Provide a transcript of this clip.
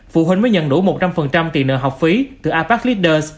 phụ huynh mới nhận đủ một trăm linh tiền nợ học phí từ apec leaders